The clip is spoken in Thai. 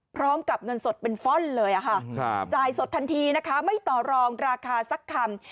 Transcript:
พร้อมกับเงินสดเป็นฟ่อนเลยจ่ายสดทันทีนะคะไม่ต่อรองราคาสักคำ